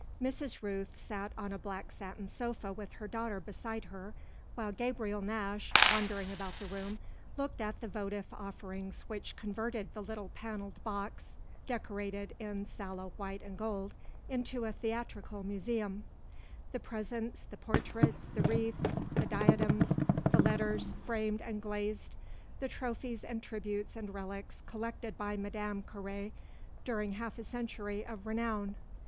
Mrs. Rooth sat on a black satin sofa with her daughter beside her while Gabriel Nash, wandering about the room, looked at the votive offerings which converted the little panelled box, decorated in sallow white and gold, into a theatrical museum: the presents, the portraits, the wreaths, the diadems, the letters, framed and glazed, the trophies and tributes and relics collected by Madame Carré during half a century of renown.